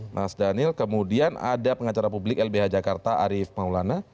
mas daniel kemudian ada pengacara publik lbh jakarta arief maulana